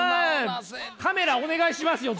カメラお願いしますよ